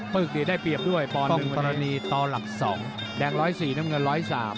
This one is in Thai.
ปึ๊กดีได้เปรียบด้วยปอนด์หนึ่งต่อหลักสองแดงร้อยสี่น้ำเงินร้อยสาม